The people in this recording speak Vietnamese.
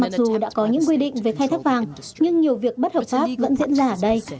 mặc dù đã có những quy định về khai thác vàng nhưng nhiều việc bất hợp pháp vẫn diễn ra ở đây